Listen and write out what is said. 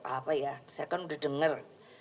apa ya saya kan udah dengar